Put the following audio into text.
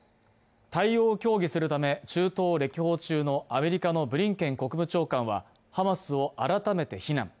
対応を協議するため中東を歴訪中のアメリカのブリンケン国務長官はハマスを改めて非難。